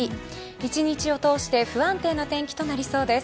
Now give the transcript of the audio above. １日を通して不安定な天気となりそうです。